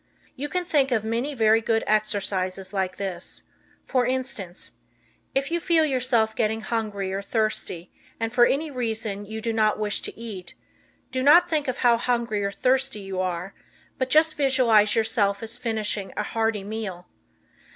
You can think of many very good exercises like this. For instance, if you feel yourself getting hungry or thirsty and for any reason you do not wish to eat, do not think of how hungry or thirsty you are, but just visualize yourself as finishing a hearty meal.